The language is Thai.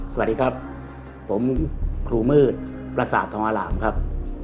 สวัสดีครับผมครูมืดประสาทธรรมอรามครับ